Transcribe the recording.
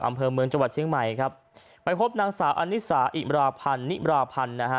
อำเภอเมืองจังหวัดเชียงใหม่ครับไปพบนางสาวอนิสาอิมราพันธ์นิบราพันธ์นะฮะ